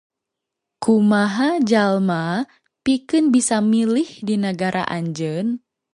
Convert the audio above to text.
Kumaha jalma pikeun bisa milih di nagara anjeun?